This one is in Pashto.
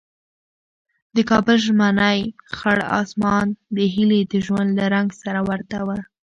د کابل ژمنی خړ اسمان د هیلې د ژوند له رنګ سره ورته و.